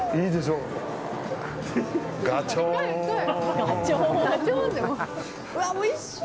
うわ、おいしい！